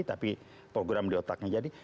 tapi program di otaknya jadi